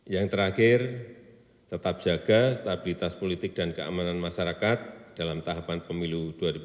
yang terakhir tetap jaga stabilitas politik dan keamanan masyarakat dalam tahapan pemilu dua ribu dua puluh